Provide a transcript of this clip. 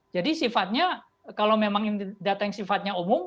jadi sifatnya kalau memang data yang sifatnya umum